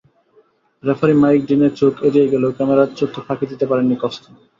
Referee Mike ডিনের চোখ এড়িয়ে গেলেও ক্যামেরার চোখকে ফাঁকি দিতে পারেননি কস্তা।